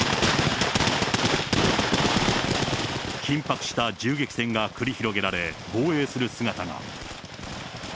緊迫した銃撃戦が繰り広げられ、防衛する姿が。